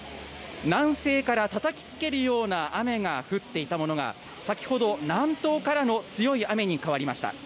南西からたたきつけるような雨が降っていたものが先ほど南東からの強い雨に変わりました。